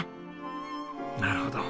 なるほど。